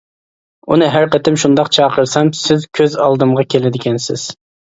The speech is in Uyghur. ئۇنى ھەر قېتىم شۇنداق چاقىرسام، سىز كۆز ئالدىمغا كېلىدىكەنسىز!